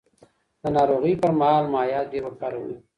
د ناروغۍ پر مهال مایعات ډېر وکاروئ.